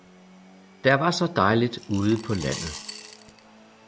Der var så dejligt ude på landet.